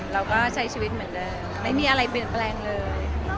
เราก็ใช้ชีวิตเหมือนเดิมไม่มีอะไรเปลี่ยนแปลงเลย